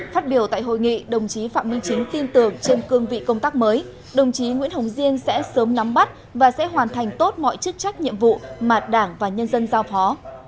phát biểu tại hội nghị đồng chí phạm minh chính tin tưởng trên cương vị công tác mới đồng chí nguyễn hồng diên sẽ sớm nắm bắt và sẽ hoàn thành tốt mọi chức trách nhiệm vụ mà đảng và nhân dân giao phó